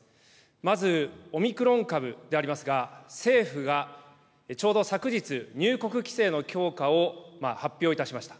まず、オミクロン株でありますが、政府がちょうど昨日、入国規制の強化を発表いたしました。